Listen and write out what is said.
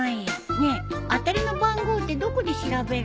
ねえ当たりの番号ってどこで調べるの？